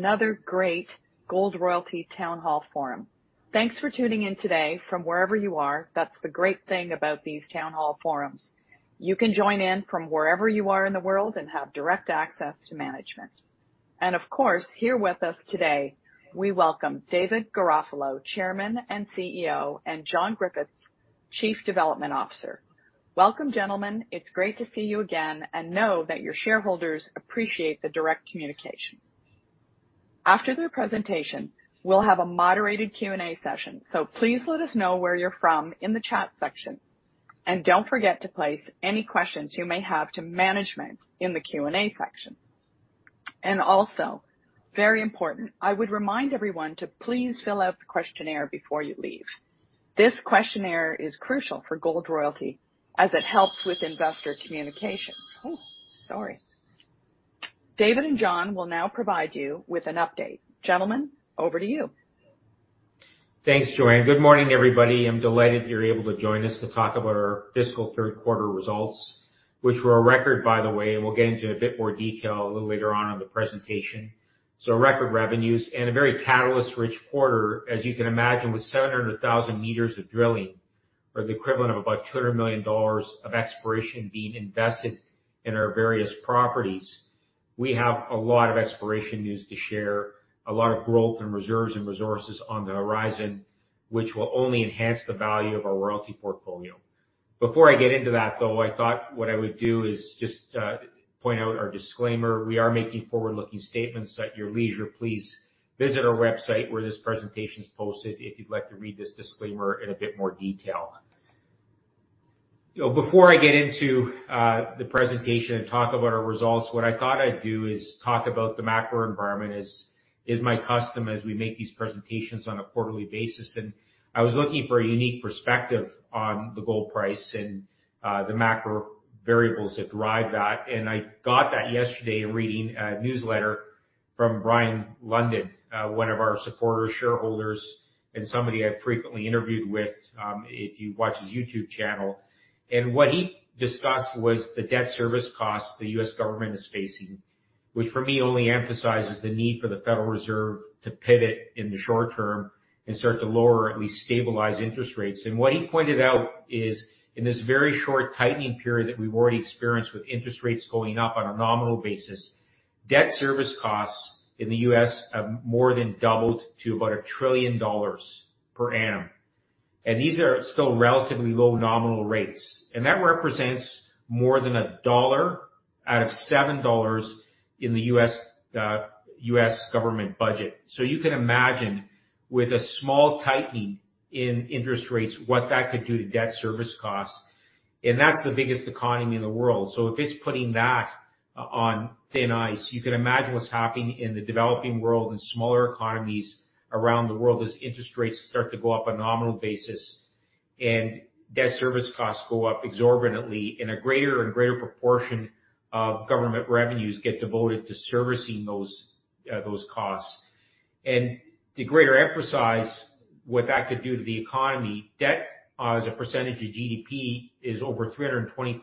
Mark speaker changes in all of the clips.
Speaker 1: Another Great Gold Royalty Town Hall Forum. Thanks for tuning in today from wherever you are. That's the great thing about these town hall forums. You can join in from wherever you are in the world and have direct access to management. Of course, here with us today, we welcome David Garofalo, Chairman and CEO, and John Griffith, Chief Development Officer. Welcome, gentlemen. It's great to see you again and know that your shareholders appreciate the direct communication. After their presentation, we'll have a moderated Q&A session. Please let us know where you're from in the chat section, and don't forget to place any questions you may have to management in the Q&A section. Also, very important, I would remind everyone to please fill out the questionnaire before you leave. This questionnaire is crucial for Gold Royalty as it helps with investor communication. Oh, sorry. David and John will now provide you with an update. Gentlemen, over to you.
Speaker 2: Thanks, Joanne. Good morning, everybody. I'm delighted you're able to join us to talk about our fiscal third quarter results, which were a record, by the way, and we'll get into a bit more detail a little later on in the presentation. Record revenues and a very catalyst-rich quarter, as you can imagine, with 700,000 meters of drilling or the equivalent of about $200 million of exploration being invested in our various properties. We have a lot of exploration news to share, a lot of growth in reserves and resources on the horizon, which will only enhance the value of our royalty portfolio. Before I get into that, though, I thought what I would do is just point out our disclaimer. We are making forward-looking statements at your leisure. Please visit our website where this presentation is posted if you'd like to read this disclaimer in a bit more detail. You know, before I get into the presentation and talk about our results, what I thought I'd do is talk about the macro environment as my custom as we make these presentations on a quarterly basis. I was looking for a unique perspective on the gold price and the macro variables that drive that. I got that yesterday reading a newsletter from Brien Lundin, one of our supporter shareholders and somebody I've frequently interviewed with, if you watch his YouTube channel. What he discussed was the debt service cost the U.S. government is facing, which for me only emphasizes the need for the Federal Reserve to pivot in the short term and start to lower or at least stabilize interest rates. What he pointed out is, in this very short tightening period that we've already experienced with interest rates going up on a nominal basis, debt service costs in the U.S. have more than doubled to about $1 trillion per annum. These are still relatively low nominal rates. That represents more than a dollar out of seven dollars in the U.S. government budget. You can imagine with a small tightening in interest rates, what that could do to debt service costs. That's the biggest economy in the world. If it's putting that on thin ice, you can imagine what's happening in the developing world and smaller economies around the world as interest rates start to go up on a nominal basis and debt service costs go up exorbitantly and a greater and greater proportion of government revenues get devoted to servicing those costs. To greater emphasize what that could do to the economy, debt as a percentage of GDP is over 325%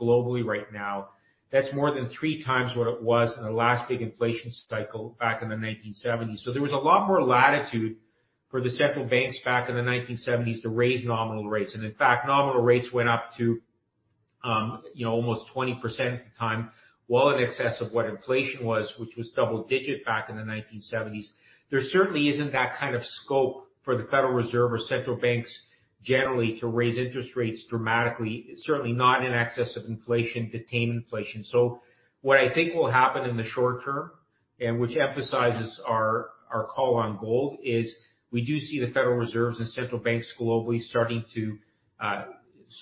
Speaker 2: globally right now. That's more than 3x what it was in the last big inflation cycle back in the 1970s. There was a lot more latitude for the central banks back in the 1970s to raise nominal rates. In fact, nominal rates went up to, you know, almost 20% at the time, well in excess of what inflation was, which was double-digit back in the 1970s. There certainly isn't that kind of scope for the Federal Reserve or central banks generally to raise interest rates dramatically, certainly not in excess of inflation to tame inflation. What I think will happen in the short term, which emphasizes our call on gold, is we do see the Federal Reserve and central banks globally starting to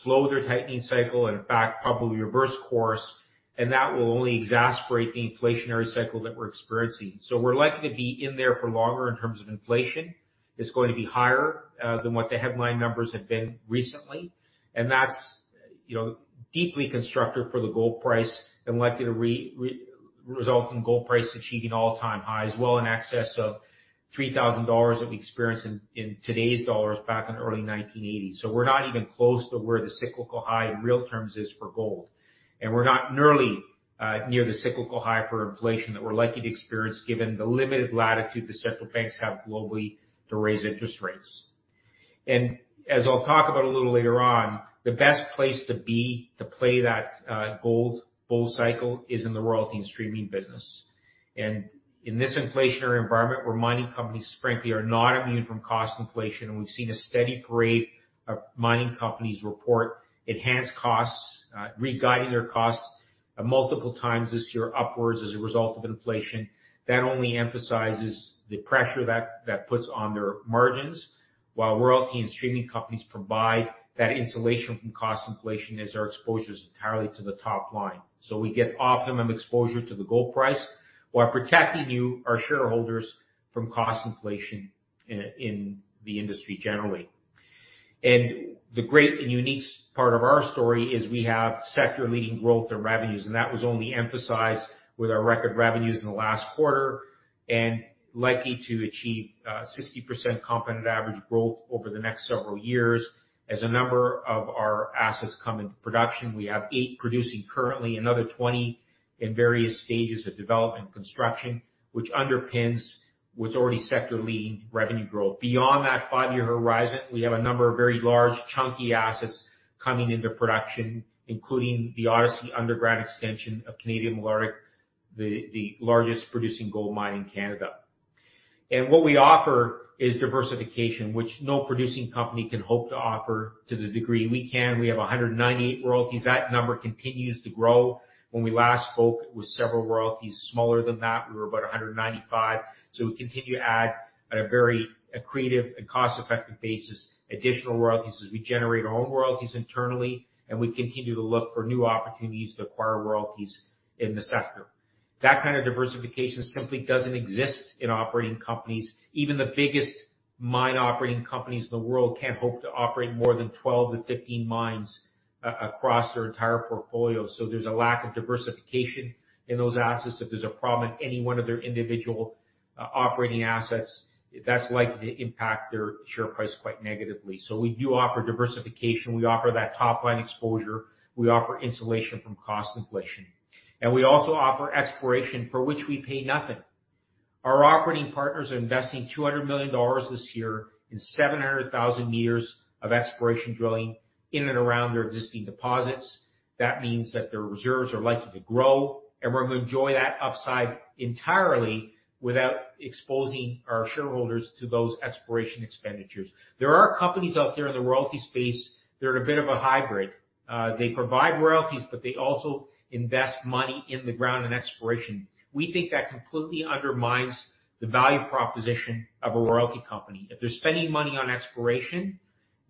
Speaker 2: slow their tightening cycle and in fact, probably reverse course, and that will only exacerbate the inflationary cycle that we're experiencing. We're likely to be in there for longer in terms of inflation. It's going to be higher than what the headline numbers have been recently, and that's, you know, deeply constructive for the gold price and likely to result in gold price achieving all-time highs, well in excess of $3,000 that we experienced in today's dollars back in early 1980s. We're not even close to where the cyclical high in real terms is for gold. We're not nearly near the cyclical high for inflation that we're likely to experience given the limited latitude the central banks have globally to raise interest rates. As I'll talk about a little later on, the best place to be to play that gold bull cycle is in the royalty and streaming business. In this inflationary environment, where mining companies, frankly, are not immune from cost inflation, and we've seen a steady parade of mining companies report enhanced costs, re-guiding their costs multiple times this year upwards as a result of inflation. That only emphasizes the pressure that puts on their margins, while royalty and streaming companies provide that insulation from cost inflation as our exposure is entirely to the top line. We get optimum exposure to the gold price while protecting you, our shareholders, from cost inflation in the industry generally. The great and unique part of our story is we have sector-leading growth in revenues, and that was only emphasized with our record revenues in the last quarter. Likely to achieve 60% compound average growth over the next several years as a number of our assets come into production. We have eight producing currently, another 20 in various stages of development construction, which underpins what's already sector-leading revenue growth. Beyond that five-year horizon, we have a number of very large, chunky assets coming into production, including the Odyssey underground extension of Canadian Malartic, the largest producing gold mine in Canada. What we offer is diversification, which no producing company can hope to offer to the degree we can. We have 198 royalties. That number continues to grow. When we last spoke, it was several royalties smaller than that. We were about 195. We continue to add at a very accretive and cost-effective basis, additional royalties as we generate our own royalties internally, and we continue to look for new opportunities to acquire royalties in the sector. That kind of diversification simply doesn't exist in operating companies. Even the biggest mine operating companies in the world can't hope to operate more than 12-15 mines across their entire portfolio. There's a lack of diversification in those assets. If there's a problem in any one of their individual operating assets, that's likely to impact their share price quite negatively. We do offer diversification. We offer that top-line exposure. We offer insulation from cost inflation. We also offer exploration for which we pay nothing. Our operating partners are investing $200 million this year in 700,000 meters of exploration drilling in and around their existing deposits. That means that their reserves are likely to grow, and we're gonna enjoy that upside entirely without exposing our shareholders to those exploration expenditures. There are companies out there in the royalty space that are a bit of a hybrid. They provide royalties, but they also invest money in the ground in exploration. We think that completely undermines the value proposition of a royalty company. If they're spending money on exploration,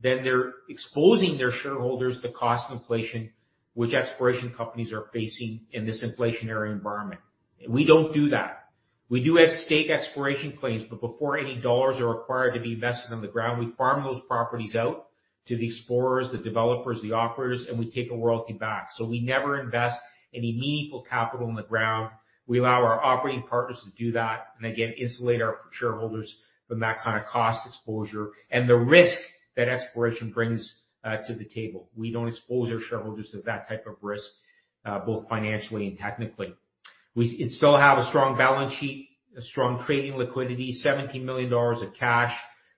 Speaker 2: then they're exposing their shareholders to cost inflation, which exploration companies are facing in this inflationary environment. We don't do that. We do have staked exploration claims, but before any dollars are required to be invested on the ground, we farm those properties out to the explorers, the developers, the operators, and we take a royalty back. We never invest any meaningful capital in the ground. We allow our operating partners to do that, and again, insulate our shareholders from that kind of cost exposure and the risk that exploration brings to the table. We don't expose our shareholders to that type of risk, both financially and technically. We still have a strong balance sheet, a strong trading liquidity, $17 million of cash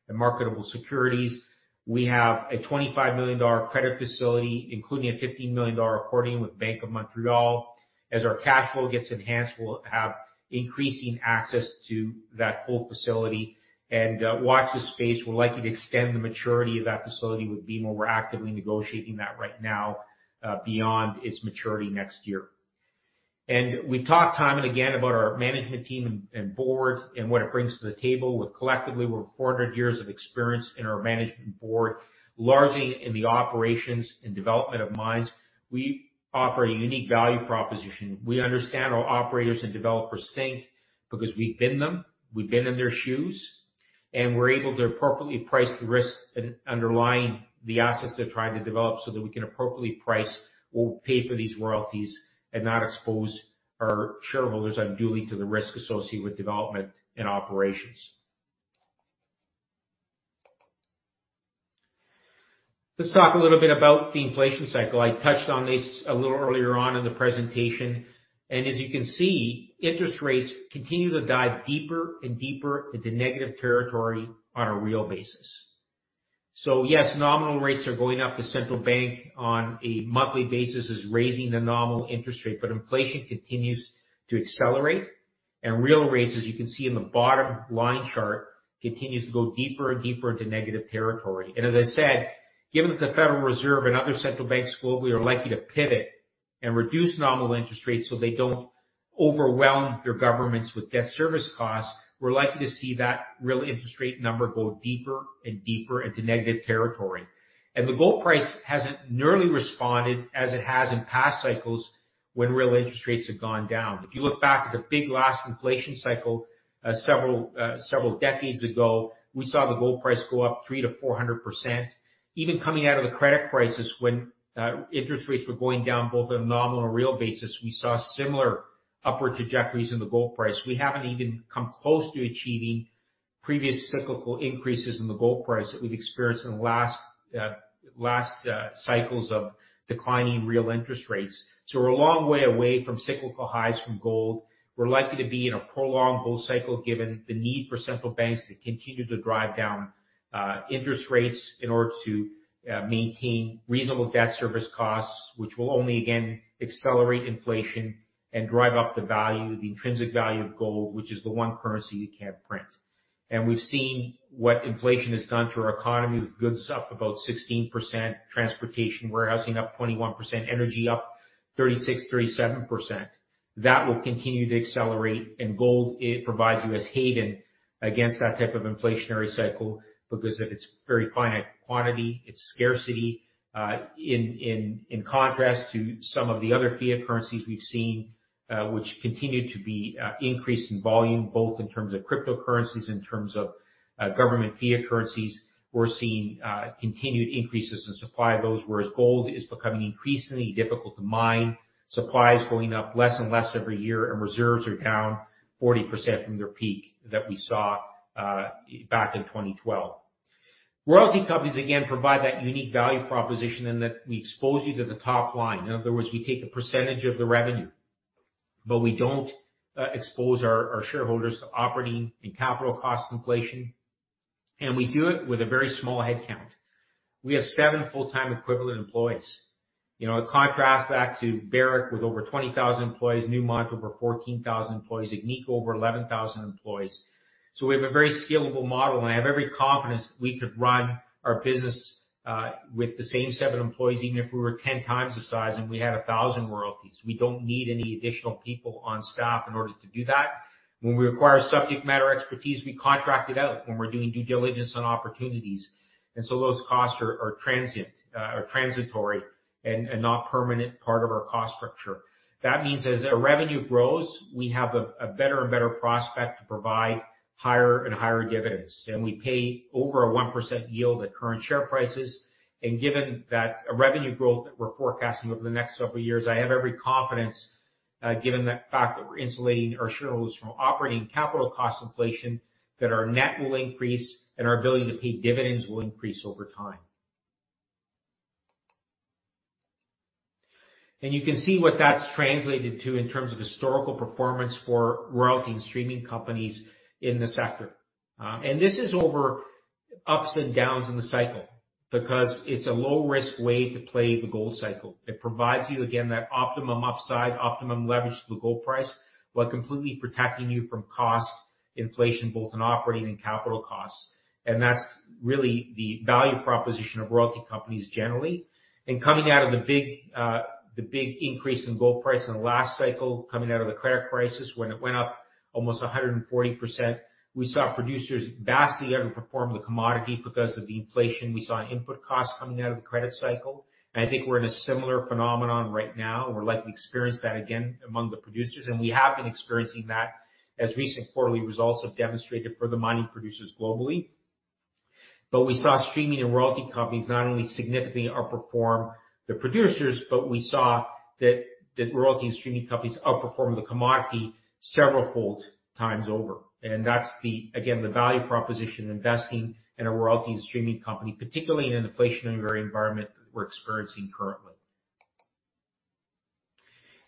Speaker 2: and marketable securities. We have a $25 million credit facility, including a $15 million accordion with Bank of Montreal. As our cash flow gets enhanced, we'll have increasing access to that whole facility. Watch this space. We're likely to extend the maturity of that facility with BMO. We're actively negotiating that right now, beyond its maturity next year. We talk time and again about our management team and board and what it brings to the table. With collectively, we have 400 years of experience in our management board, largely in the operations and development of mines. We offer a unique value proposition. We understand how operators and developers think because we've been them, we've been in their shoes, and we're able to appropriately price the risk underlying the assets they're trying to develop so that we can appropriately price or pay for these royalties and not expose our shareholders unduly to the risk associated with development and operations. Let's talk a little bit about the inflation cycle. I touched on this a little earlier on in the presentation. As you can see, interest rates continue to dive deeper and deeper into negative territory on a real basis. Yes, nominal rates are going up. The central bank on a monthly basis is raising the nominal interest rate, but inflation continues to accelerate. Real rates, as you can see in the bottom line chart, continues to go deeper and deeper into negative territory. As I said, given that the Federal Reserve and other central banks globally are likely to pivot and reduce nominal interest rates so they don't overwhelm their governments with debt service costs, we're likely to see that real interest rate number go deeper and deeper into negative territory. The gold price hasn't nearly responded as it has in past cycles when real interest rates have gone down. If you look back at the big last inflation cycle, several decades ago, we saw the gold price go up 300%-400%. Even coming out of the credit crisis when interest rates were going down, both on a nominal and real basis, we saw similar upward trajectories in the gold price. We haven't even come close to achieving previous cyclical increases in the gold price that we've experienced in the last cycles of declining real interest rates. We're a long way away from cyclical highs from gold. We're likely to be in a prolonged bull cycle given the need for central banks to continue to drive down interest rates in order to maintain reasonable debt service costs, which will only again accelerate inflation and drive up the value, the intrinsic value of gold, which is the one currency you can't print. We've seen what inflation has done to our economy, with goods up about 16%, transportation, warehousing up 21%, energy up 36%-37%. That will continue to accelerate. Gold, it provides you a haven against that type of inflationary cycle because of its very finite quantity, its scarcity, in contrast to some of the other fiat currencies we've seen, which continue to be increased in volume, both in terms of cryptocurrencies, in terms of government fiat currencies. We're seeing continued increases in supply of those, whereas gold is becoming increasingly difficult to mine, supply is going up less and less every year, and reserves are down 40% from their peak that we saw back in 2012. Royalty companies, again, provide that unique value proposition in that we expose you to the top line. In other words, we take a percentage of the revenue, but we don't expose our shareholders to operating and capital cost inflation. We do it with a very small headcount. We have seven full-time equivalent employees. You know, contrast that to Barrick with over 20,000 employees, Newmont with over 14,000 employees, Agnico with over 11,000 employees. We have a very scalable model, and I have every confidence we could run our business with the same seven employees, even if we were 10 times the size and we had 1,000 royalties. We don't need any additional people on staff in order to do that. When we require subject matter expertise, we contract it out when we're doing due diligence on opportunities. Those costs are transient, transitory and not permanent part of our cost structure. That means as our revenue grows, we have a better and better prospect to provide higher and higher dividends. We pay over a 1% yield at current share prices. Given that revenue growth that we're forecasting over the next several years, I have every confidence, given the fact that we're insulating our shareholders from operating capital cost inflation, that our net will increase and our ability to pay dividends will increase over time. You can see what that's translated to in terms of historical performance for royalty and streaming companies in the sector. This is over ups and downs in the cycle because it's a low-risk way to play the gold cycle. It provides you, again, that optimum upside, optimum leverage to the gold price, while completely protecting you from cost inflation, both in operating and capital costs. That's really the value proposition of royalty companies generally. Coming out of the big increase in gold price in the last cycle, coming out of the credit crisis, when it went up almost 140%, we saw producers vastly underperform the commodity because of the inflation we saw in input costs coming out of the credit cycle. I think we're in a similar phenomenon right now. We're likely to experience that again among the producers, and we have been experiencing that, as recent quarterly results have demonstrated for the mining producers globally. We saw streaming and royalty companies not only significantly outperform the producers, but we saw that royalty and streaming companies outperform the commodity Severalfold, times over. That's the, again, the value proposition of investing in a royalty and streaming company, particularly in an inflationary environment we're experiencing currently.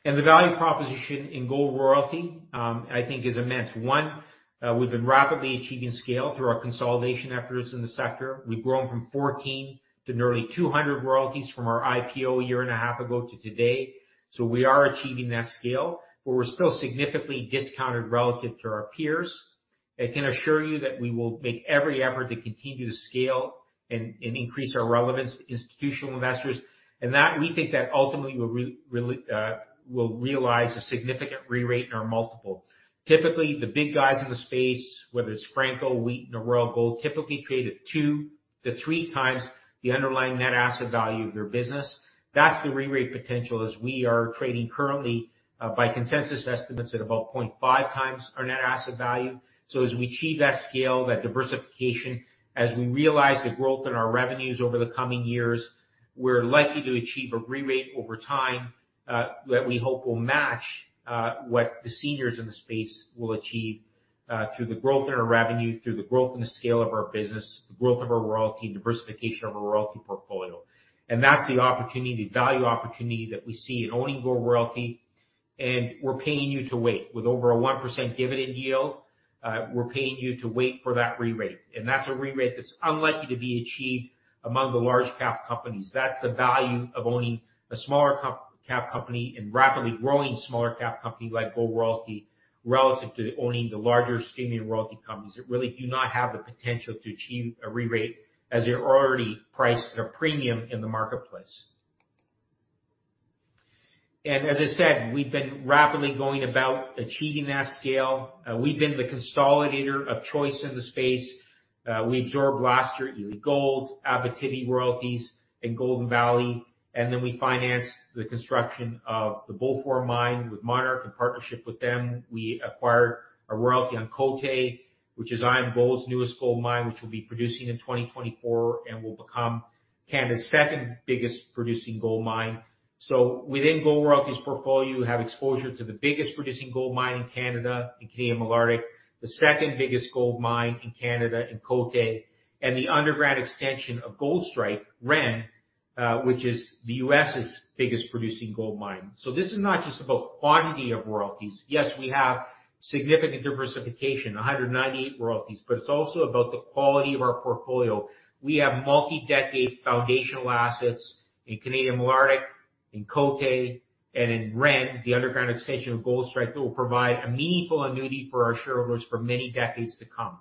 Speaker 2: The value proposition in Gold Royalty, I think is immense. One, we've been rapidly achieving scale through our consolidation efforts in the sector. We've grown from 14 to nearly 200 royalties from our IPO a year and a half ago to today. We are achieving that scale, but we're still significantly discounted relative to our peers. I can assure you that we will make every effort to continue to scale and increase our relevance to institutional investors. That, we think that ultimately will realize a significant re-rate in our multiple. Typically, the big guys in the space, whether it's Franco, Wheaton, or Royal Gold, typically trade at two to three times the underlying net asset value of their business. That's the re-rate potential as we are trading currently, by consensus estimates at about 0.5x our net asset value. As we achieve that scale, that diversification, as we realize the growth in our revenues over the coming years, we're likely to achieve a re-rate over time, that we hope will match what the seniors in the space will achieve through the growth in our revenue, through the growth in the scale of our business, the growth of our royalty, diversification of our royalty portfolio. That's the opportunity, value opportunity that we see in owning Gold Royalty. We're paying you to wait. With over a 1% dividend yield, we're paying you to wait for that re-rate. That's a re-rate that's unlikely to be achieved among the large cap companies. That's the value of owning a smaller cap company and rapidly growing smaller cap company like Gold Royalty, relative to owning the larger streaming royalty companies that really do not have the potential to achieve a re-rate as they're already priced at a premium in the marketplace. As I said, we've been rapidly going about achieving that scale. We've been the consolidator of choice in the space. We absorbed last year Ely Gold Royalties, Abitibi Royalties, and Golden Valley Mines and Royalties, and then we financed the construction of the Bullfrog mine with Monarch Mining Corporation. In partnership with them, we acquired a royalty on Côté, which is IAMGOLD's newest gold mine, which will be producing in 2024 and will become Canada's second biggest producing gold mine. Within Gold Royalty's portfolio, you have exposure to the biggest producing gold mine in Canada in Canadian Malartic, the second biggest gold mine in Canada in Côté, and the underground extension of Goldstrike, Ren, which is the U.S.'s biggest producing gold mine. This is not just about quantity of royalties. Yes, we have significant diversification, 198 royalties, but it's also about the quality of our portfolio. We have multi-decade foundational assets in Canadian Malartic, in Côté, and in Ren, the underground extension of Goldstrike, that will provide a meaningful annuity for our shareholders for many decades to come.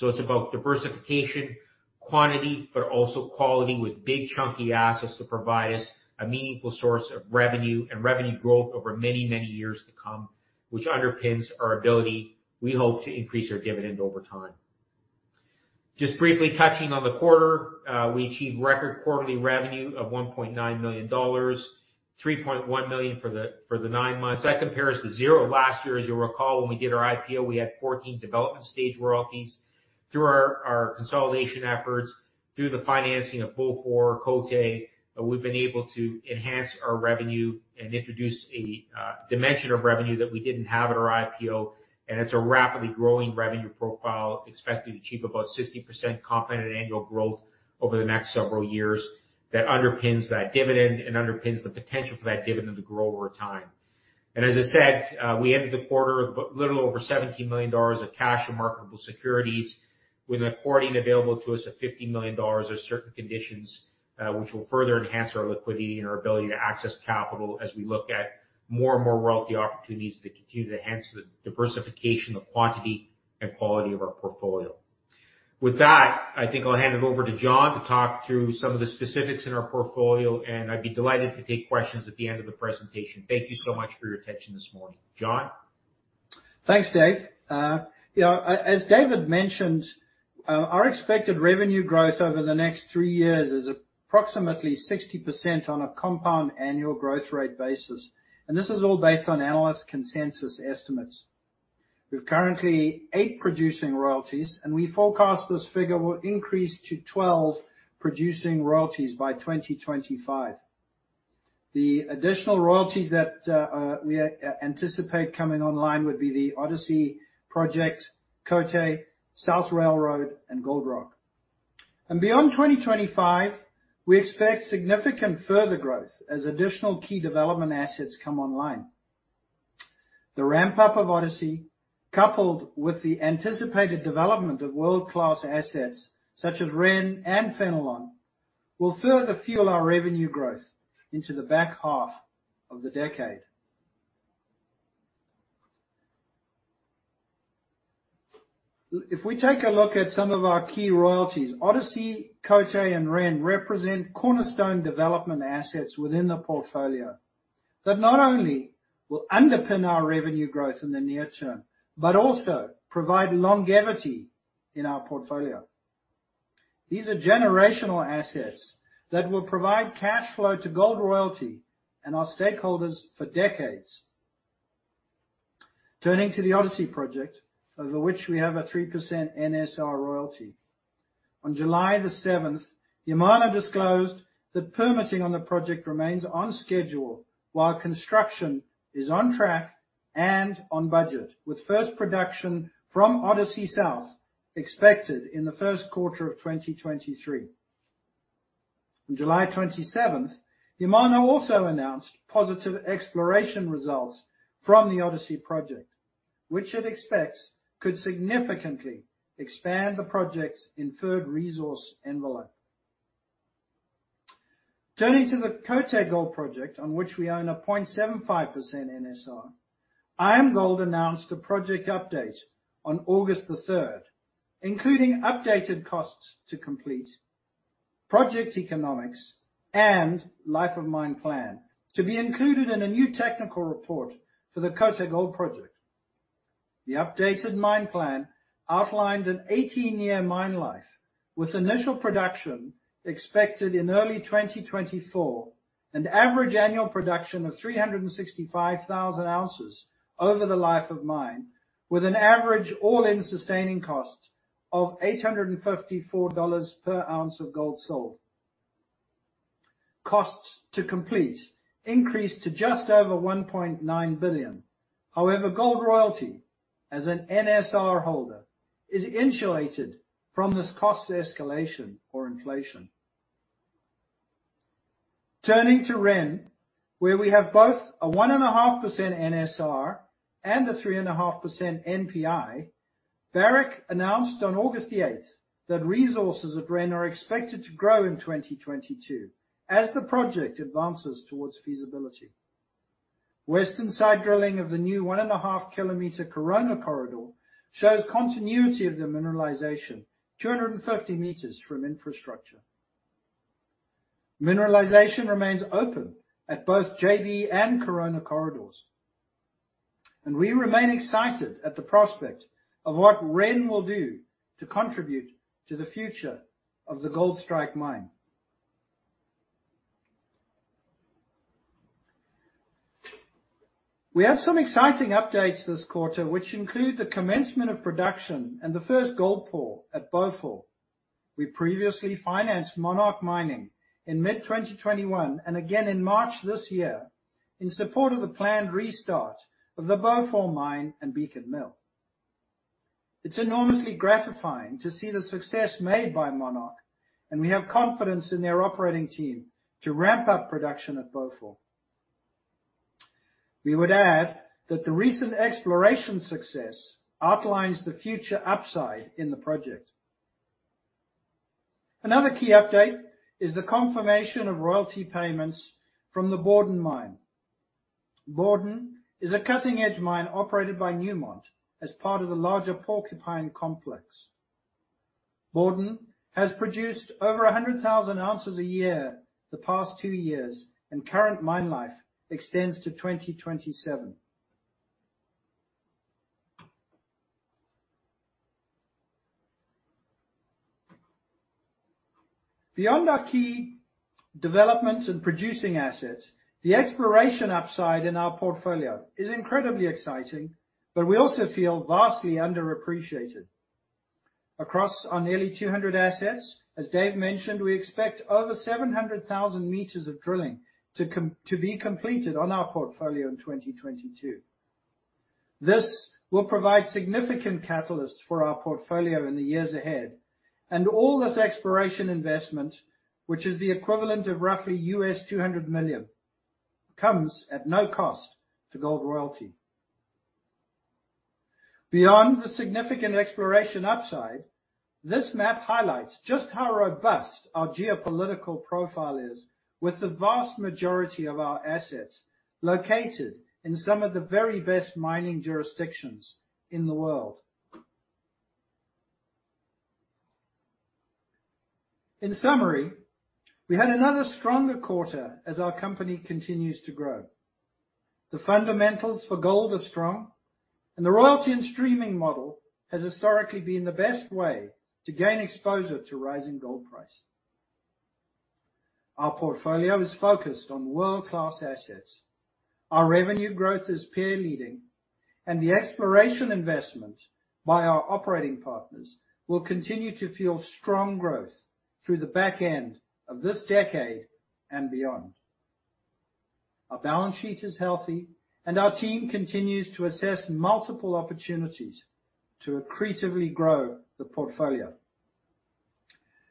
Speaker 2: It's about diversification, quantity, but also quality with big chunky assets to provide us a meaningful source of revenue and revenue growth over many, many years to come, which underpins our ability, we hope, to increase our dividend over time. Just briefly touching on the quarter, we achieved record quarterly revenue of $1.9 million, $3.1 million for the nine months. That compares to zero last year. As you'll recall, when we did our IPO, we had 14 development stage royalties. Through our consolidation efforts, through the financing of Beaufor, Côté, we've been able to enhance our revenue and introduce a dimension of revenue that we didn't have at our IPO. It's a rapidly growing revenue profile expected to achieve above 60% compounded annual growth over the next several years that underpins that dividend and underpins the potential for that dividend to grow over time. As I said, we ended the quarter with a little over $17 million of cash and marketable securities, with accordion available to us at $50 million under certain conditions, which will further enhance our liquidity and our ability to access capital as we look at more and more royalty opportunities that continue to enhance the diversification, the quantity, and quality of our portfolio. With that, I think I'll hand it over to John to talk through some of the specifics in our portfolio, and I'd be delighted to take questions at the end of the presentation. Thank you so much for your attention this morning. John?
Speaker 3: Thanks, Dave. You know, as David mentioned, our expected revenue growth over the next three years is approximately 60% on a compound annual growth rate basis, and this is all based on analyst consensus estimates. We've currently eight producing royalties, and we forecast this figure will increase to 12 producing royalties by 2025. The additional royalties that we anticipate coming online would be the Odyssey project, Côté, South Railroad, and Gold Rock. Beyond 2025, we expect significant further growth as additional key development assets come online. The ramp-up of Odyssey, coupled with the anticipated development of world-class assets such as Ren and Fenelon, will further fuel our revenue growth into the back half of the decade. If we take a look at some of our key royalties, Odyssey, Côté, and Ren represent cornerstone development assets within the portfolio that not only will underpin our revenue growth in the near term, but also provide longevity in our portfolio. These are generational assets that will provide cash flow to Gold Royalty and our stakeholders for decades. Turning to the Odyssey project, over which we have a 3% NSR royalty. On July 7th, Yamana disclosed that permitting on the project remains on schedule while construction is on track and on budget, with first production from Odyssey South expected in the first quarter of 2023. On July 27th, Yamana also announced positive exploration results from the Odyssey project, which it expects could significantly expand the project's inferred resource envelope. Turning to the Coté Gold project, on which we own a 0.75% NSR, IAMGOLD announced a project update on August 3rd, including updated costs to complete project economics and life of mine plan to be included in a new technical report for the Coté Gold project. The updated mine plan outlined an 18-year mine life with initial production expected in early 2024 and average annual production of 365,000 ounces over the life of mine, with an average all-in sustaining cost of $854 per ounce of gold sold. Costs to complete increased to just over $1.9 billion. However, Gold Royalty, as an NSR holder, is insulated from this cost escalation or inflation. Turning to Ren, where we have both a 1.5% NSR and a 3.5% NPI, Barrick announced on August 8 that resources at Ren are expected to grow in 2022 as the project advances towards feasibility. Western side drilling of the new 1.5-kilometer Corona Corridor shows continuity of the mineralization 250 meters from infrastructure. Mineralization remains open at both JB and Corona corridors, and we remain excited at the prospect of what Ren will do to contribute to the future of the Goldstrike Mine. We have some exciting updates this quarter which include the commencement of production and the first gold pour at Beaufor. We previously financed Monarch Mining in mid-2021 and again in March this year in support of the planned restart of the Beaufor mine and Beacon mill. It's enormously gratifying to see the success made by Monarch, and we have confidence in their operating team to ramp up production at Beaufor. We would add that the recent exploration success outlines the future upside in the project. Another key update is the confirmation of royalty payments from the Borden mine. Borden is a cutting-edge mine operated by Newmont as part of the larger Porcupine complex. Borden has produced over 100,000 ounces a year the past two years, and current mine life extends to 2027. Beyond our key development and producing assets, the exploration upside in our portfolio is incredibly exciting, but we also feel vastly underappreciated. Across our nearly 200 assets, as Dave mentioned, we expect over 700,000 meters of drilling to be completed on our portfolio in 2022. This will provide significant catalysts for our portfolio in the years ahead. All this exploration investment, which is the equivalent of roughly $200 million, comes at no cost to Gold Royalty. Beyond the significant exploration upside, this map highlights just how robust our geopolitical profile is with the vast majority of our assets located in some of the very best mining jurisdictions in the world. In summary, we had another stronger quarter as our company continues to grow. The fundamentals for gold are strong, and the royalty and streaming model has historically been the best way to gain exposure to rising gold price. Our portfolio is focused on world-class assets. Our revenue growth is peer leading, and the exploration investment by our operating partners will continue to fuel strong growth through the back end of this decade and beyond. Our balance sheet is healthy, and our team continues to assess multiple opportunities to accretively grow the portfolio.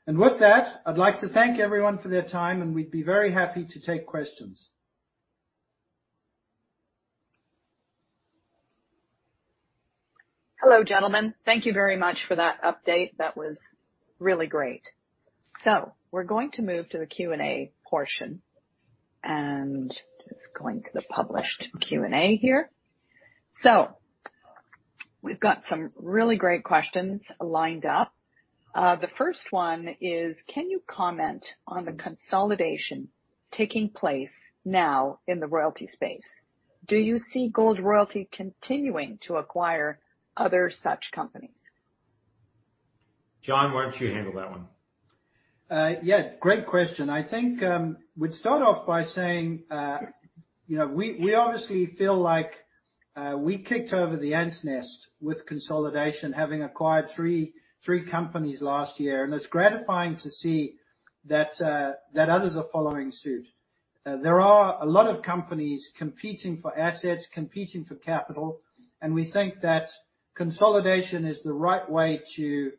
Speaker 3: With that, I'd like to thank everyone for their time, and we'd be very happy to take questions.
Speaker 1: Hello, gentlemen. Thank you very much for that update. That was really great. We're going to move to the Q&A portion, and just going to the published Q&A here. We've got some really great questions lined up. The first one is, Can you comment on the consolidation taking place now in the royalty space? Do you see Gold Royalty continuing to acquire other such companies?
Speaker 2: John, why don't you handle that one?
Speaker 3: Yeah, great question. I think, we'd start off by saying, you know, we obviously feel like, we kicked over the ants nest with consolidation, having acquired three companies last year, and it's gratifying to see that others are following suit. There are a lot of companies competing for assets, competing for capital, and we think that consolidation is the right way to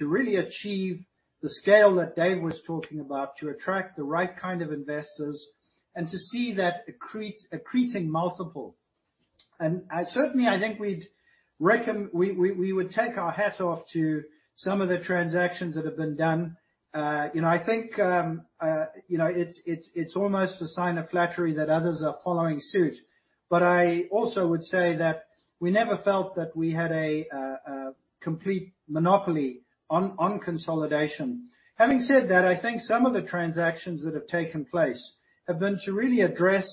Speaker 3: really achieve the scale that Dave was talking about, to attract the right kind of investors and to see that accretive multiple. Certainly, I think we would take our hat off to some of the transactions that have been done. You know, I think, you know, it's almost a sign of flattery that others are following suit. I also would say that we never felt that we had a complete monopoly on consolidation. Having said that, I think some of the transactions that have taken place have been to really address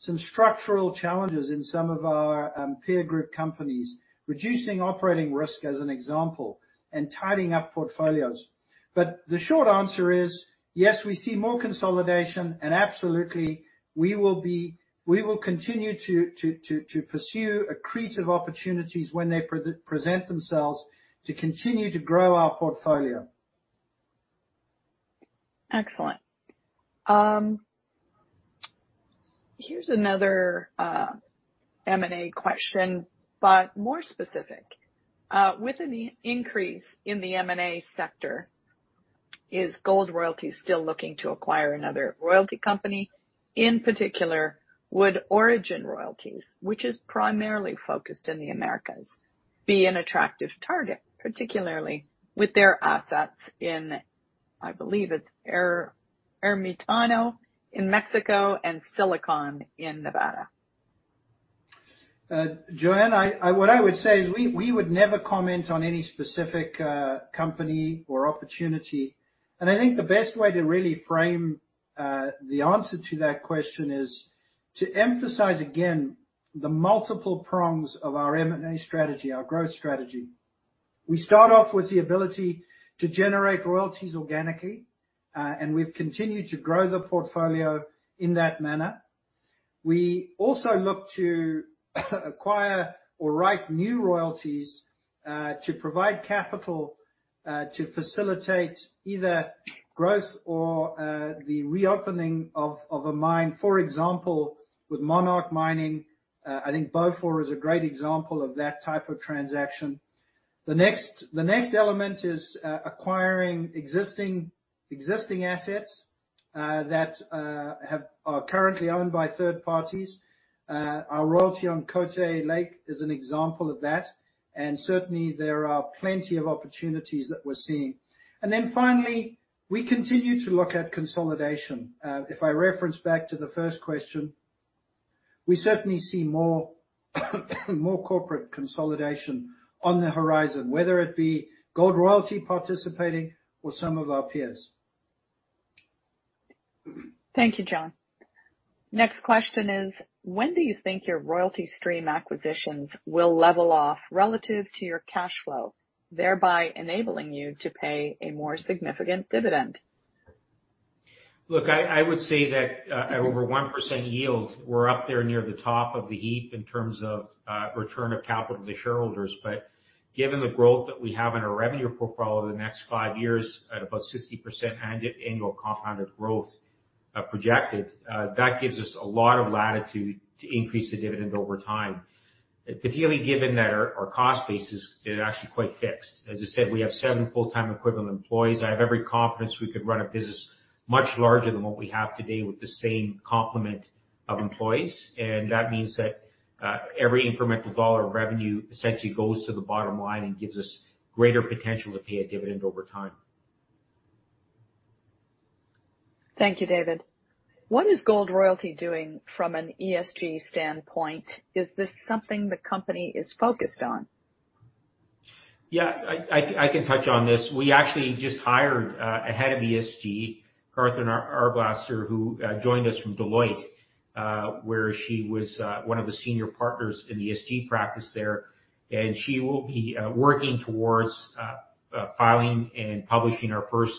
Speaker 3: some structural challenges in some of our peer group companies, reducing operating risk, as an example, and tidying up portfolios. The short answer is yes, we see more consolidation and absolutely we will continue to pursue accretive opportunities when they present themselves to continue to grow our portfolio.
Speaker 1: Excellent. Here's another M&A question, but more specific. With an increase in the M&A sector, is Gold Royalty still looking to acquire another royalty company? In particular, would Orogen Royalties, which is primarily focused in the Americas, be an attractive target, particularly with their assets in, I believe it's Ermitaño in Mexico and Silicon in Nevada?
Speaker 3: Joanne, what I would say is we would never comment on any specific company or opportunity, and I think the best way to really frame the answer to that question is to emphasize again the multiple prongs of our M&A strategy, our growth strategy. We start off with the ability to generate royalties organically, and we've continued to grow the portfolio in that manner. We also look to acquire or write new royalties to provide capital to facilitate either growth or the reopening of a mine, for example, with Monarch Mining. I think Beaufor is a great example of that type of transaction. The next element is acquiring existing assets that are currently owned by third parties. Our royalty on Cote Lake is an example of that, and certainly, there are plenty of opportunities that we're seeing. Finally, we continue to look at consolidation. If I reference back to the first question, we certainly see more corporate consolidation on the horizon, whether it be Gold Royalty participating or some of our peers.
Speaker 1: Thank you, John. Next question is, when do you think your royalty stream acquisitions will level off relative to your cash flow, thereby enabling you to pay a more significant dividend?
Speaker 2: Look, I would say that at over 1% yield, we're up there near the top of the heap in terms of return of capital to shareholders. Given the growth that we have in our revenue portfolio over the next five years at about 60% annual compounded growth projected, that gives us a lot of latitude to increase the dividend over time. Particularly given that our cost base is actually quite fixed. As I said, we have seven full-time equivalent employees. I have every confidence we could run a business much larger than what we have today with the same complement of employees. That means that every incremental $1 of revenue essentially goes to the bottom line and gives us greater potential to pay a dividend over time.
Speaker 1: Thank you, David. What is Gold Royalty doing from an ESG standpoint? Is this something the company is focused on?
Speaker 2: Yeah, I can touch on this. We actually just hired a head of ESG, Katherine Arblaster, who joined us from Deloitte, where she was one of the senior partners in the ESG practice there. She will be working towards filing and publishing our first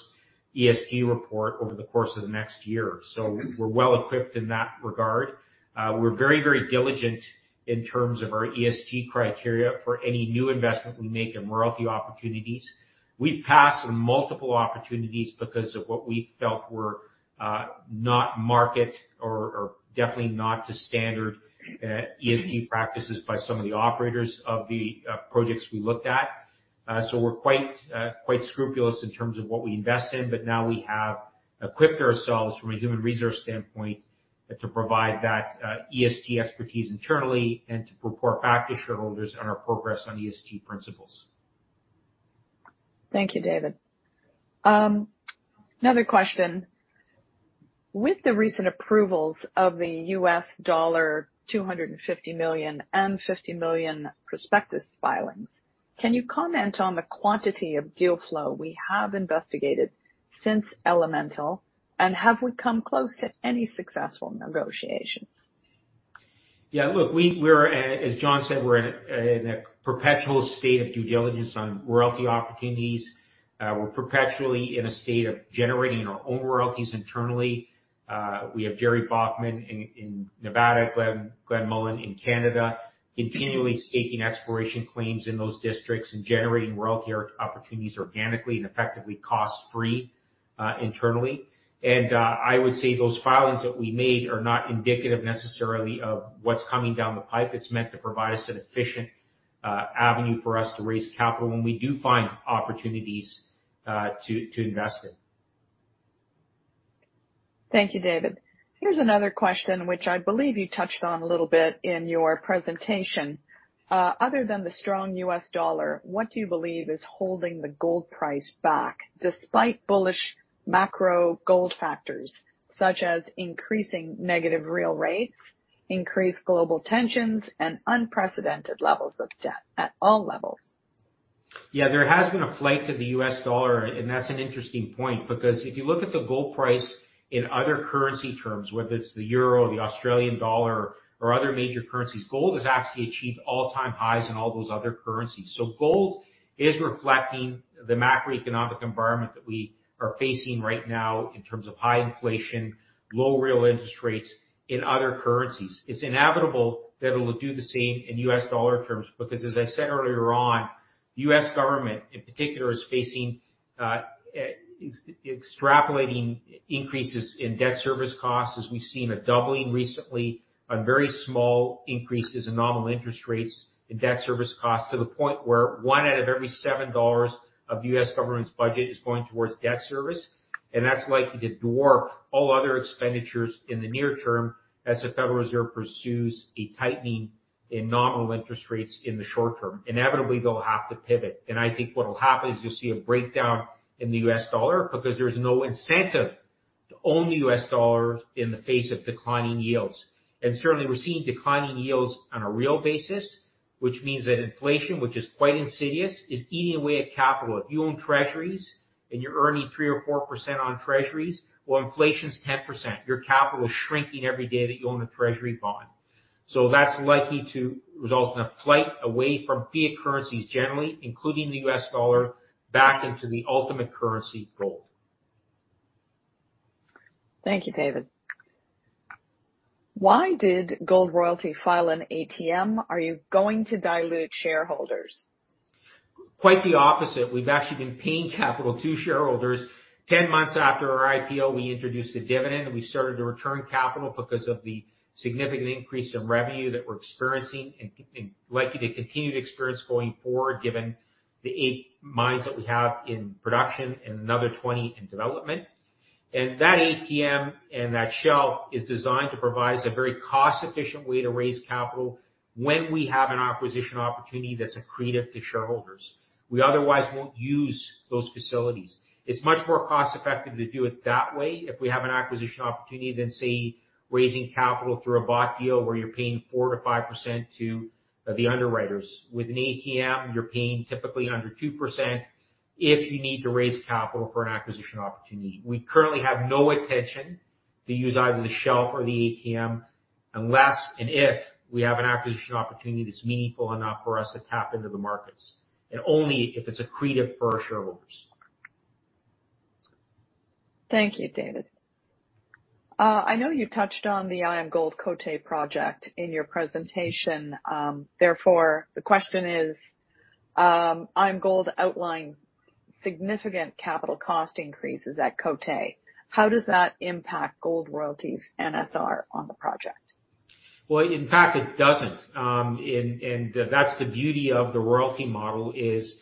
Speaker 2: ESG report over the course of the next year. We're well equipped in that regard. We're very, very diligent in terms of our ESG criteria for any new investment we make in royalty opportunities. We've passed on multiple opportunities because of what we felt were not up to standard ESG practices by some of the operators of the projects we looked at. We're quite scrupulous in terms of what we invest in, but now we have equipped ourselves from a human resource standpoint to provide that ESG expertise internally and to report back to shareholders on our progress on ESG principles.
Speaker 1: Thank you, David. Another question. With the recent approvals of the $250 million and $50 million prospectus filings, can you comment on the quantity of deal flow we have investigated since Elemental? And have we come close to any successful negotiations?
Speaker 2: Yeah, look, we're at, as John said, we're in a perpetual state of due diligence on royalty opportunities. We're perpetually in a state of generating our own royalties internally. We have Jerry Baughman in Nevada, Glenn Mullan in Canada, continually staking exploration claims in those districts and generating royalty opportunities organically and effectively cost free, internally. I would say those filings that we made are not indicative necessarily of what's coming down the pipe. It's meant to provide us an efficient avenue for us to raise capital when we do find opportunities to invest in.
Speaker 1: Thank you, David. Here's another question which I believe you touched on a little bit in your presentation. Other than the strong U.S. dollar, what do you believe is holding the gold price back despite bullish macro gold factors such as increasing negative real rates, increased global tensions, and unprecedented levels of debt at all levels?
Speaker 2: Yeah, there has been a flight to the U.S. dollar, and that's an interesting point, because if you look at the gold price in other currency terms, whether it's the euro, the Australian dollar or other major currencies, gold has actually achieved all-time highs in all those other currencies. So gold is reflecting the macroeconomic environment that we are facing right now in terms of high inflation, low real interest rates in other currencies. It's inevitable that it'll do the same in U.S. dollar terms, because as I said earlier on, U.S. government in particular is facing extrapolating increases in debt service costs, as we've seen a doubling recently on very small increases in nominal interest rates and debt service costs to the point where one out of every seven dollars of U.S. government's budget is going towards debt service. That's likely to dwarf all other expenditures in the near term as the Federal Reserve pursues a tightening in nominal interest rates in the short term. Inevitably, they'll have to pivot, and I think what'll happen is you'll see a breakdown in the U.S. dollar because there's no incentive to own U.S. dollars in the face of declining yields. Certainly, we're seeing declining yields on a real basis, which means that inflation, which is quite insidious, is eating away at capital. If you own treasuries and you're earning 3% or 4% on treasuries while inflation's 10%, your capital is shrinking every day that you own a treasury bond. That's likely to result in a flight away from fiat currencies generally, including the U.S. dollar, back into the ultimate currency, gold.
Speaker 1: Thank you, David. Why did Gold Royalty file an ATM? Are you going to dilute shareholders?
Speaker 2: Quite the opposite. We've actually been paying capital to shareholders. 10 months after our IPO, we introduced a dividend, and we started to return capital because of the significant increase in revenue that we're experiencing and likely to continue to experience going forward, given the eight mines that we have in production and another 20 in development. That ATM and that shelf is designed to provide us a very cost-efficient way to raise capital when we have an acquisition opportunity that's accretive to shareholders. We otherwise won't use those facilities. It's much more cost-effective to do it that way if we have an acquisition opportunity than, say, raising capital through a bought deal where you're paying 4%-5% to the underwriters. With an ATM, you're paying typically under 2%. If you need to raise capital for an acquisition opportunity. We currently have no intention to use either the shelf or the ATM unless, and if, we have an acquisition opportunity that's meaningful enough for us to tap into the markets, and only if it's accretive for our shareholders.
Speaker 1: Thank you, David. I know you touched on the IAMGOLD Côté project in your presentation. Therefore, the question is, IAMGOLD outlined significant capital cost increases at Côté. How does that impact Gold Royalty's NSR on the project?
Speaker 2: Well, in fact, it doesn't. That's the beauty of the royalty model, is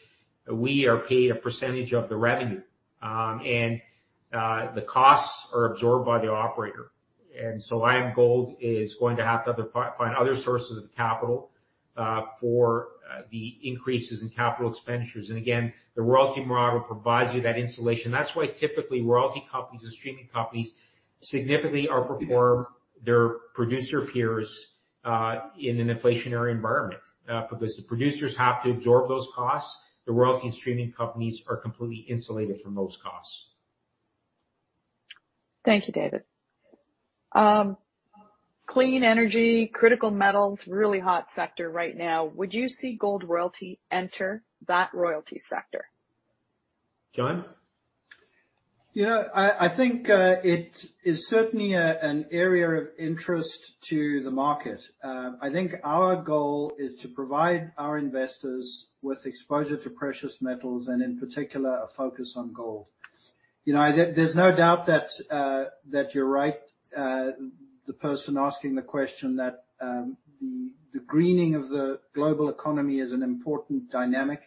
Speaker 2: we are paid a percentage of the revenue, and the costs are absorbed by the operator. IAMGOLD is going to have to find other sources of capital for the increases in capital expenditures. Again, the royalty model provides you that insulation. That's why typically, royalty companies and streaming companies significantly outperform their producer peers in an inflationary environment, because the producers have to absorb those costs. The royalty and streaming companies are completely insulated from most costs.
Speaker 1: Thank you, David. Clean energy, critical metals, really hot sector right now. Would you see Gold Royalty enter that royalty sector?
Speaker 2: John?
Speaker 3: You know, I think it is certainly an area of interest to the market. I think our goal is to provide our investors with exposure to precious metals, and in particular, a focus on gold. You know, there's no doubt that you're right, the person asking the question that the greening of the global economy is an important dynamic.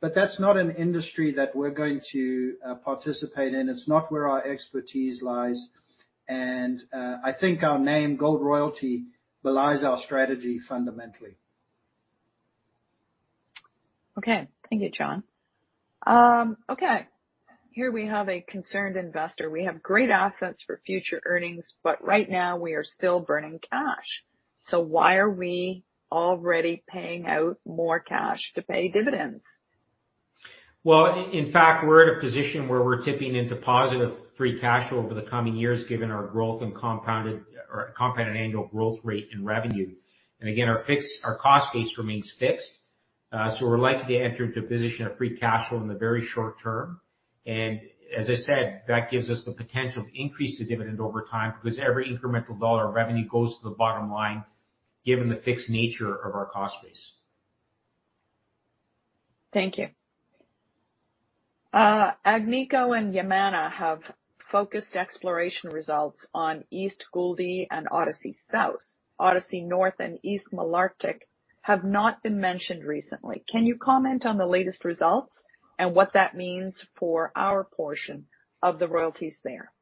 Speaker 3: That's not an industry that we're going to participate in. It's not where our expertise lies, and I think our name, Gold Royalty, belies our strategy fundamentally.
Speaker 1: Okay. Thank you, John. Okay. Here we have a concerned investor. We have great assets for future earnings, but right now we are still burning cash. Why are we already paying out more cash to pay dividends?
Speaker 2: Well, in fact, we're at a position where we're tipping into positive free cash flow over the coming years, given our growth and compounded annual growth rate and revenue. Again, our fixed cost base remains fixed, so we're likely to enter into a position of free cash flow in the very short term. As I said, that gives us the potential to increase the dividend over time, because every incremental dollar of revenue goes to the bottom line, given the fixed nature of our cost base.
Speaker 1: Thank you. Agnico and Yamana have focused exploration results on East Gouldie and Odyssey South. Odyssey North and East Malartic have not been mentioned recently. Can you comment on the latest results and what that means for our portion of the royalties there?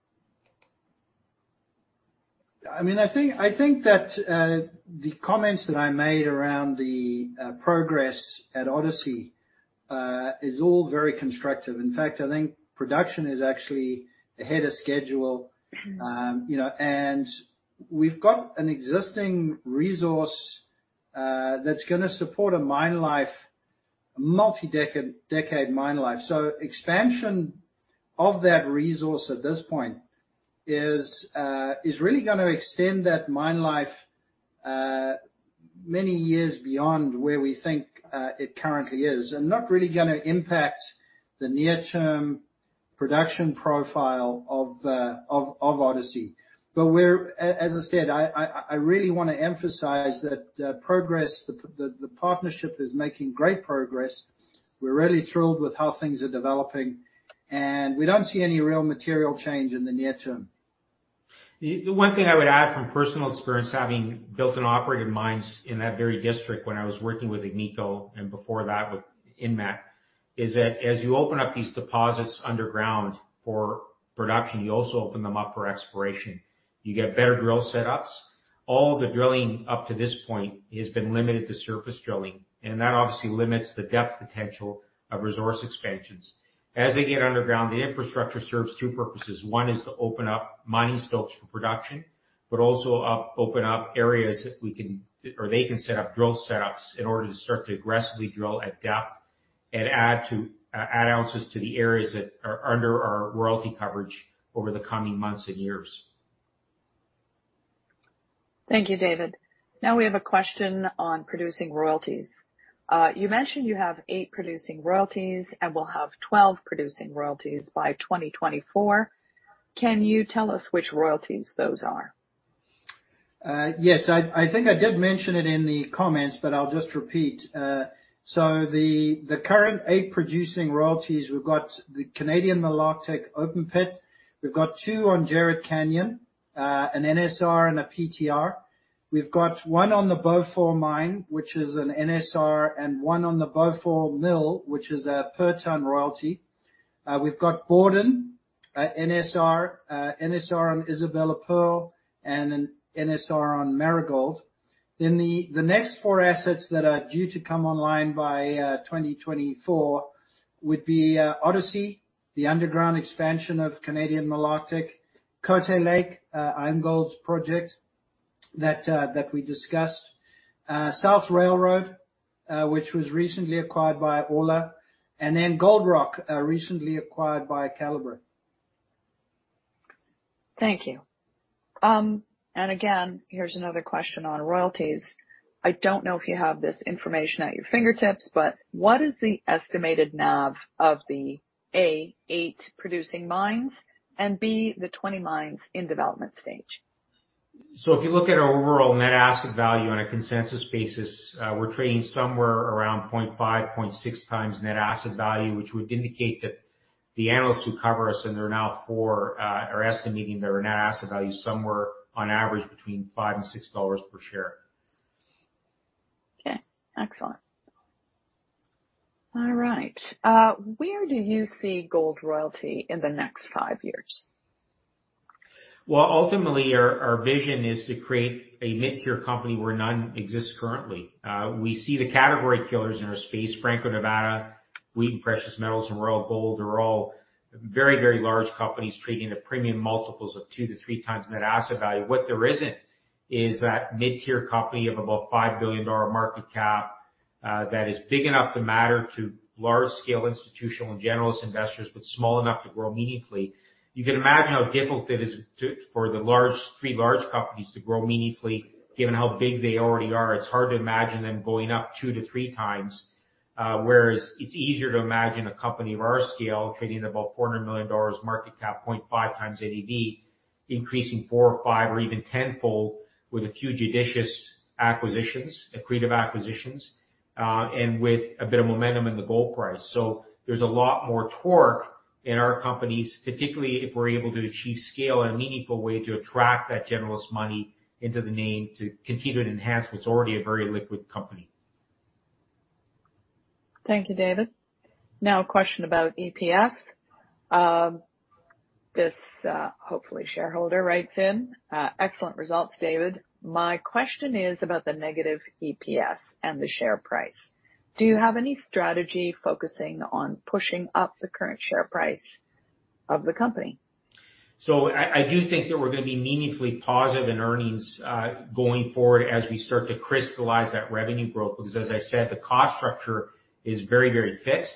Speaker 3: I mean, I think that the comments that I made around the progress at Odyssey is all very constructive. In fact, I think production is actually ahead of schedule. You know, we've got an existing resource that's gonna support a mine life, a multi-decade, decade mine life. Expansion of that resource at this point is really gonna extend that mine life many years beyond where we think it currently is, and not really gonna impact the near-term production profile of Odyssey. As I said, I really wanna emphasize that progress, the partnership is making great progress. We're really thrilled with how things are developing, and we don't see any real material change in the near term.
Speaker 2: The one thing I would add from personal experience, having built and operated mines in that very district when I was working with Agnico and before that with Inmet, is that as you open up these deposits underground for production, you also open them up for exploration. You get better drill setups. All the drilling up to this point has been limited to surface drilling, and that obviously limits the depth potential of resource expansions. As they get underground, the infrastructure serves two purposes. One is to open up mining stops for production, but also open up areas that we can, or they can set up drill setups in order to start to aggressively drill at depth and add ounces to the areas that are under our royalty coverage over the coming months and years.
Speaker 1: Thank you, David. Now we have a question on producing royalties. You mentioned you have 8 producing royalties and will have 12 producing royalties by 2024. Can you tell us which royalties those are?
Speaker 3: Yes. I think I did mention it in the comments, but I'll just repeat. So the current eight producing royalties, we've got the Canadian Malartic open pit. We've got two on Jerritt Canyon, an NSR and a PTR. We've got one on the Beaufor Mine, which is an NSR, and one on the Beaufor Mill, which is a per ton royalty. We've got Borden NSR on Isabella Pearl and an NSR on Marigold. The next four assets that are due to come online by 2024 would be Odyssey, the underground expansion of Canadian Malartic, Côté Lake, IAMGOLD's project. That we discussed. South Railroad, which was recently acquired by Orla, and then Gold Rock, recently acquired by Calibre.
Speaker 1: Thank you. And again, here's another question on royalties. I don't know if you have this information at your fingertips, but what is the estimated NAV of the A, 8 producing mines and B, the 20 mines in development stage?
Speaker 2: If you look at our overall net asset value on a consensus basis, we're trading somewhere around 0.5-0.6x net asset value, which would indicate that the analysts who cover us, and there are now four, are estimating that our net asset value is somewhere on average between $5 and $6 per share.
Speaker 1: Okay, excellent. All right. Where do you see Gold Royalty in the next five years?
Speaker 2: Well, ultimately, our vision is to create a mid-tier company where none exists currently. We see the category killers in our space, Franco-Nevada, Wheaton Precious Metals, and Royal Gold are all very, very large companies trading at premium multiples of 2-3x net asset value. What there isn't is that mid-tier company of about $5 billion market cap that is big enough to matter to large scale institutional and generalist investors, but small enough to grow meaningfully. You can imagine how difficult it is for the three large companies to grow meaningfully given how big they already are. It's hard to imagine them going up 2-3x. Whereas it's easier to imagine a company of our scale trading at about $400 million market cap 0.5x NAV, increasing 4 or 5 or even tenfold with a few judicious acquisitions, accretive acquisitions, and with a bit of momentum in the gold price. There's a lot more torque in our companies, particularly if we're able to achieve scale in a meaningful way to attract that generalist money into the name to continue to enhance what's already a very liquid company.
Speaker 1: Thank you, David. Now a question about EPS. Hopefully shareholder writes in, "Excellent results, David. My question is about the negative EPS and the share price. Do you have any strategy focusing on pushing up the current share price of the company?
Speaker 2: I do think that we're gonna be meaningfully positive in earnings, going forward as we start to crystallize that revenue growth, because as I said, the cost structure is very, very fixed.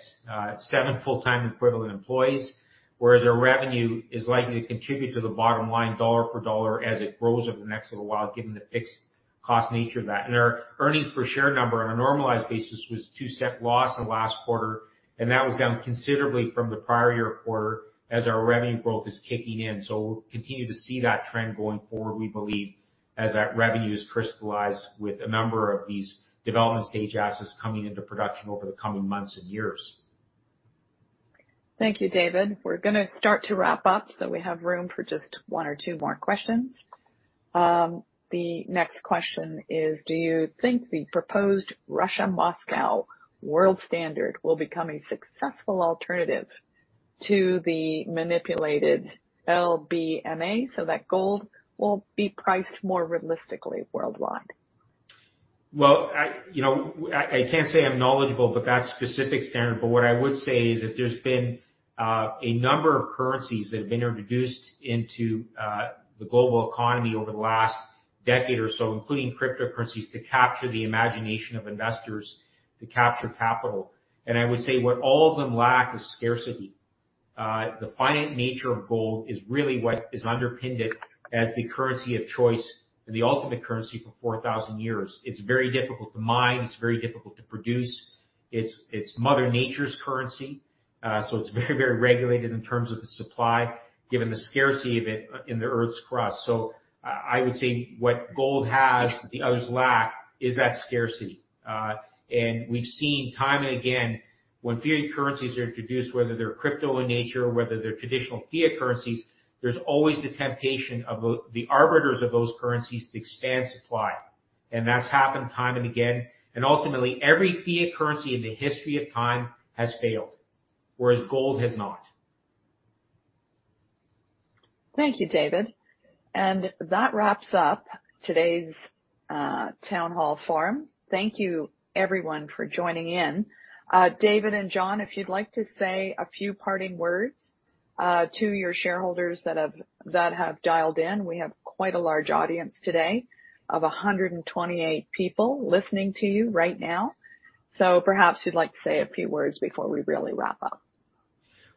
Speaker 2: Seven full-time equivalent employees, whereas our revenue is likely to contribute to the bottom line dollar for dollar as it grows over the next little while, given the fixed cost nature of that. Our earnings per share number on a normalized basis was $0.02 loss in the last quarter, and that was down considerably from the prior year quarter as our revenue growth is kicking in. We'll continue to see that trend going forward, we believe, as that revenue is crystallized with a number of these development stage assets coming into production over the coming months and years.
Speaker 1: Thank you, David. We're gonna start to wrap up, so we have room for just one or two more questions. The next question is, do you think the proposed Russian Moscow World Standard will become a successful alternative to the manipulated LBMA so that gold will be priced more realistically worldwide?
Speaker 2: Well, you know, I can't say I'm knowledgeable about that specific standard. What I would say is that there's been a number of currencies that have been introduced into the global economy over the last decade or so, including cryptocurrencies, to capture the imagination of investors to capture capital. I would say what all of them lack is scarcity. The finite nature of gold is really what has underpinned it as the currency of choice and the ultimate currency for 4,000 years. It's very difficult to mine. It's very difficult to produce. It's Mother Nature's currency. So it's very, very regulated in terms of the supply, given the scarcity of it in the Earth's crust. I would say what gold has that the others lack is that scarcity. We've seen time and again, when fiat currencies are introduced, whether they're crypto in nature or whether they're traditional fiat currencies, there's always the temptation of the arbiters of those currencies to expand supply. That's happened time and again. Ultimately, every fiat currency in the history of time has failed, whereas gold has not.
Speaker 1: Thank you, David. That wraps up today's town hall forum. Thank you, everyone, for joining in. David and John, if you'd like to say a few parting words to your shareholders that have dialed in. We have quite a large audience today of 128 people listening to you right now. Perhaps you'd like to say a few words before we really wrap up.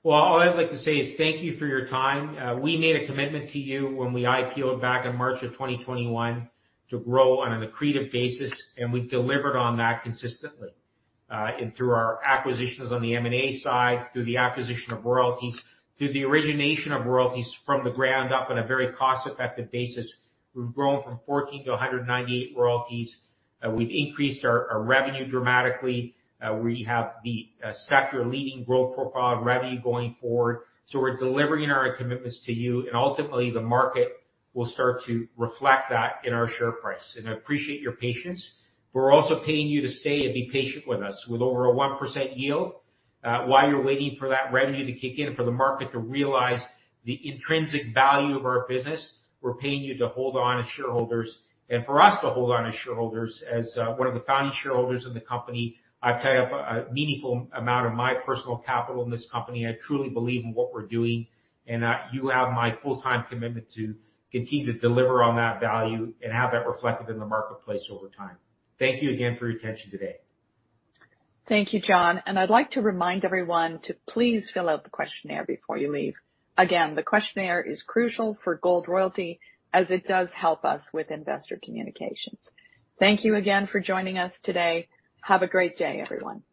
Speaker 2: Well, all I'd like to say is thank you for your time. We made a commitment to you when we IPO-ed back in March of 2021 to grow on an accretive basis, and we've delivered on that consistently. Through our acquisitions on the M&A side, through the acquisition of royalties, through the origination of royalties from the ground up on a very cost-effective basis, we've grown from 14 to 198 royalties. We've increased our revenue dramatically. We have the sector leading growth profile of revenue going forward. We're delivering on our commitments to you, and ultimately, the market will start to reflect that in our share price. I appreciate your patience. We're also paying you to stay and be patient with us with over a 1% yield. While you're waiting for that revenue to kick in and for the market to realize the intrinsic value of our business, we're paying you to hold on as shareholders and for us to hold on as shareholders. As one of the founding shareholders in the company, I've tied up a meaningful amount of my personal capital in this company. I truly believe in what we're doing, and you have my full-time commitment to continue to deliver on that value and have that reflected in the marketplace over time. Thank you again for your attention today.
Speaker 1: Thank you, John. I'd like to remind everyone to please fill out the questionnaire before you leave. Again, the questionnaire is crucial for Gold Royalty, as it does help us with investor communications. Thank you again for joining us today. Have a great day, everyone.